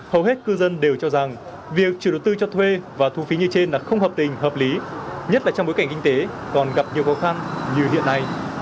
hầu hết cư dân đều cho rằng việc chủ đầu tư cho thuê và thu phí như trên là không hợp tình hợp lý nhất là trong bối cảnh kinh tế còn gặp nhiều khó khăn như hiện nay